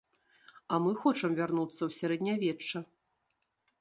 А мы хочам вярнуцца ў сярэднявечча.